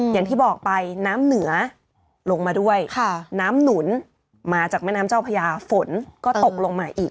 อย่างที่บอกไปน้ำเหนือลงมาด้วยน้ำหนุนมาจากแม่น้ำเจ้าพญาฝนก็ตกลงมาอีก